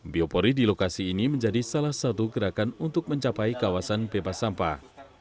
biopori di lokasi ini menjadi salah satu gerakan untuk mencapai kawasan bebas sampah